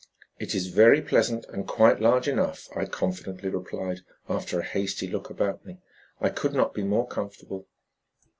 "It's very pleasant and quite large enough," I confidently replied, after a hasty look about me. "I could not be more comfortable."